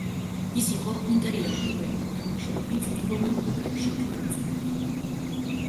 ის იყო ინტერიდან პირველი მოთამაშე, ვინც ეროვნულ ნაკრებში იქნა მიწვეული.